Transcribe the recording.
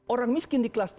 orang miskin di kelas tiga